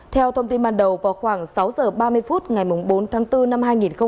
theo thông tin ban đầu vào khoảng sáu h ba mươi phút ngày bốn tháng bốn năm hai nghìn một mươi chín